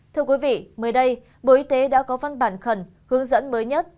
thưa quý vị mới đây bộ y tế đã có văn bản khẩn hướng dẫn mới nhất